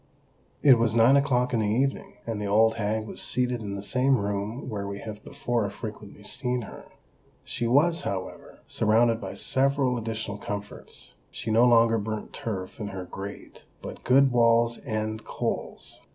It was nine o'clock in the evening; and the old hag was seated in the same room where we have before frequently seen her. She was, however, surrounded by several additional comforts. She no longer burnt turf in her grate, but good Wall's End coals.